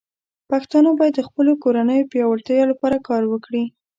پښتانه بايد د خپلو کورنيو پياوړتیا لپاره کار وکړي.